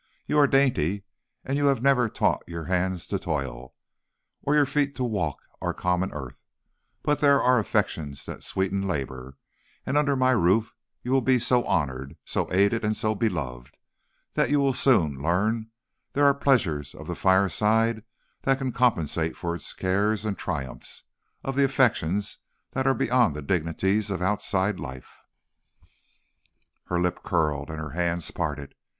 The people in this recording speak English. You are dainty and have never taught your hands to toil, or your feet to walk our common earth; but there are affections that sweeten labor, and under my roof you will be so honored, so aided and so beloved, that you will soon learn there are pleasures of the fireside that can compensate for its cares, and triumphs of the affections that are beyond the dignities of outside life.' "Her lip curled and her hands parted.